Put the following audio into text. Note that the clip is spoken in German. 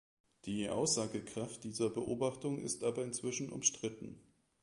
Die Aussagekraft dieser Beobachtung ist aber inzwischen umstritten.